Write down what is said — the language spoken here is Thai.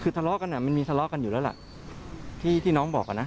คือทะเลาะกันอ่ะมันมีทะเลาะกันอยู่แล้วล่ะที่ที่น้องบอกอ่ะนะ